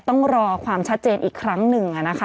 ต้องรอความชัดเจนอีกครั้งหนึ่งนะคะ